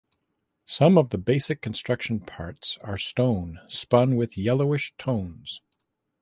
Some of the basic construction parts are stone spun with yellowish tones.